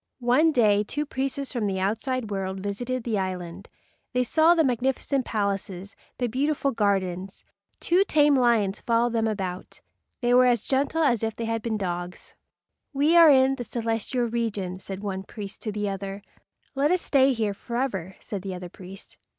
One day two priests from the outside world visited the island. They saw the magnificent palaces, the beautiful gardens. Two tame lions followed them about. They were as gentle as if they had been dogs. "We are in the celestial regions," said one priest to the other. "Let us stay here forever," said the other priest.